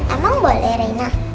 emang boleh rena